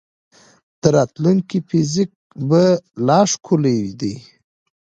د راتلونکي فزیک به لا ښکلی دی.